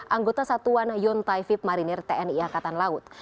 anggota satuan yontai vip marinir tni angkatan laut